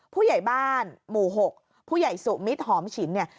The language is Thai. ผู้ใหญ่บ้านหมู่๖ผู้ใหญ่สุมิตรหอมฉินเนี่ย